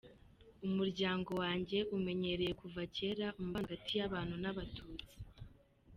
Umuryango wanjye umenyereye kuva kera umubano hagati y’Abahutu n’Abatutsi.